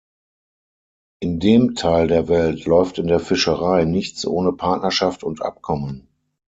In dem Teil der Welt läuft in der Fischerei nichts ohne Partnerschaft und Abkommen.